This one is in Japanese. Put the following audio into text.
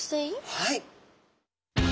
はい。